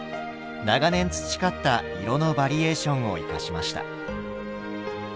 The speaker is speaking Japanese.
長年培った色のバリエーションを生かしました。